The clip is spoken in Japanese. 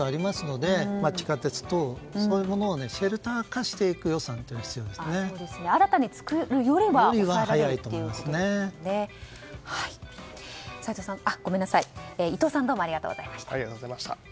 地下鉄とかそういうものをシェルター化していく予算が新たに作るよりはということですね。